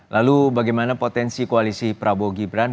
lalu bagaimana potensi koalisi prabowo gibran